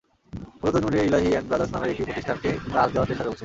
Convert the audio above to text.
মূলত Noor e Elahi and brothers নামের একটি প্রতিষ্ঠানকে কাজ দেওয়ার চেষ্টা চলছে।